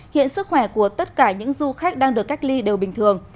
hiện sức khỏe của tất cả những du khách đang được cách ly đều bình thường